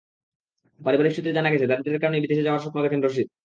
পারিবারিক সূত্রে জানা গেছে, দারিদ্র্যের কারণেই বিদেশে যাওয়ার স্বপ্ন দেখেন রশিদ।